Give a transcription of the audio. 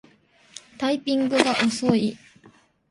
タイピングが遅い